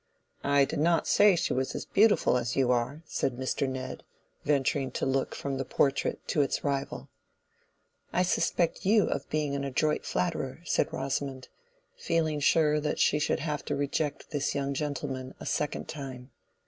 "I did not say she was as beautiful as you are," said Mr. Ned, venturing to look from the portrait to its rival. "I suspect you of being an adroit flatterer," said Rosamond, feeling sure that she should have to reject this young gentleman a second time.